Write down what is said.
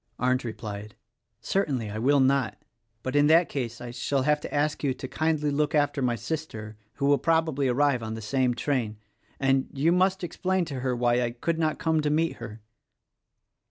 Arndt replied, "Certainly I will not; but in that case I shall have to ask you to kindly look after my sister — who will probably arrive on the same train, — and you must explain to her why I could not come to meet her."